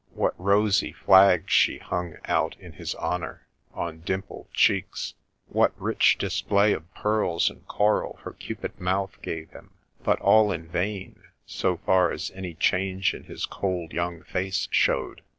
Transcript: What rosy flags she hung out in his honour, on dimpled chedcs ; what rich display of pearls and coral her cupid mouth gave him I but all in vain, so far as Enter the Contes$a 183 any change in his cold young face showed.